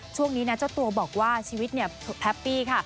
ช่วงนี้เจ้าตัวบอกว่าชีวิตแพปปี้ค่ะ